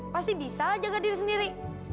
pasti bisa aja gak diri sendiri